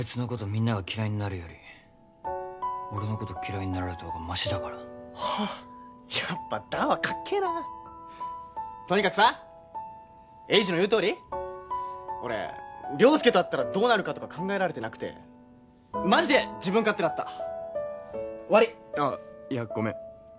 みんなが嫌いになるより俺のこと嫌いになられた方がマシだからはっやっぱ弾はかっけえなとにかくさ栄治の言うとおり俺良介と会ったらどうなるかとか考えられてなくてマジで自分勝手だった悪いあっいやごめん